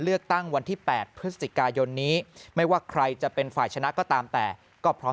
เลือกตั้งวันที่๘พฤศจิกายนนี้ไม่ว่าใครจะเป็นฝ่ายชนะก็ตามแต่ก็พร้อม